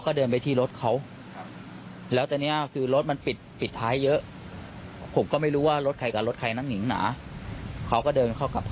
ก็เห็นชายคนนี้ทรงเสียงดังด่าทอเออะโวยวาย